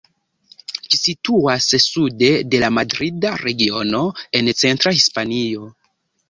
Ĝi situas sude de la Madrida Regiono en centra Hispanio.